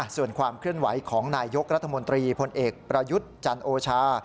ส่วนความเคลื่อนไหวของนายยกรัฐมนตรีพลเอกประยุทธ์จันโอชา